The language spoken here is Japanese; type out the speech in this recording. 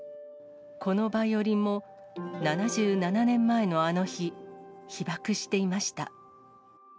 このバイオリンも、７７年前のあの日、被爆していました。